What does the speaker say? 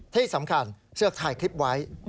ที่สำคัญเสือกถ่ายคลิปไว้